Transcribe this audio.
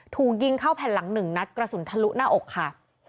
ถูกยิงเข้าแผ่นหลัง๑นัดกระสุนทะลุหน้าอกค่ะ